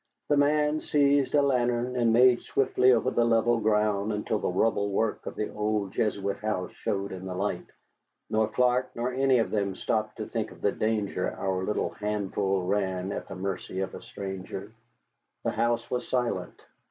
The man seized a lantern and made swiftly over the level ground until the rubble work of the old Jesuit house showed in the light, nor Clark nor any of them stopped to think of the danger our little handful ran at the mercy of a stranger. The house was silent.